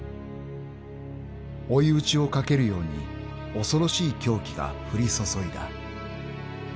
［追い打ちをかけるように恐ろしい凶器が降りそそいだ］